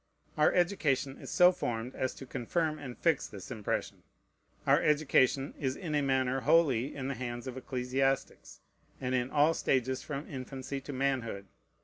Our education is so formed as to confirm and fix this impression. Our education is in a manner wholly in the hands of ecclesiastics, and in all stages from infancy to manhood.